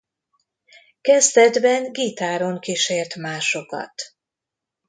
Kezdetben gitáron kísért másokat.